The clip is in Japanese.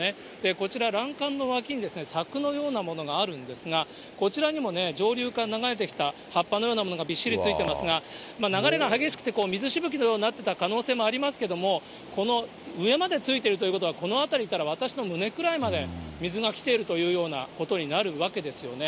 こちら、欄干の脇に、柵のようなものがあるんですが、こちらにもね、上流から流れてきた葉っぱのようなものがびっしりついてますが、流れが激しくて水しぶきのようになっていた可能性もありますけれども、この上までついてるということは、この辺りから私の胸くらいまで水が来ているというようなことになるわけですよね。